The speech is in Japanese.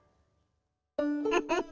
ウフフ。